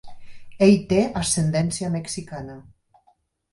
Ell té ascendència mexicana.